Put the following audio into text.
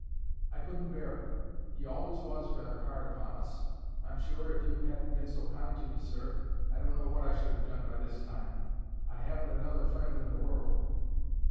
I couldn't bear it. He always was rather hard upon us. I'm sure if you hadn't been so kind to me, sir, I don't know what I should have done by this time. I haven't another friend in the world."